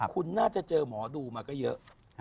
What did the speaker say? คุณน่าจะเจอหมอดูมาก็เยอะ